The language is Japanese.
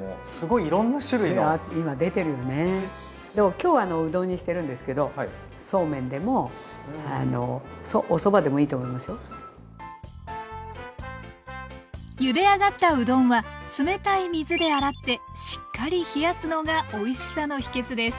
今日はうどんにしてるんですけどゆで上がったうどんは冷たい水で洗ってしっかり冷やすのがおいしさの秘けつです。